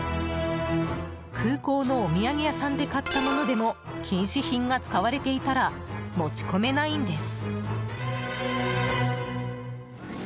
空港のお土産屋さんで買ったものでも禁止品が使われていたら持ち込めないんです。